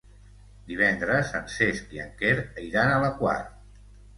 Divendres en Cesc i en Quer iran a la Quar.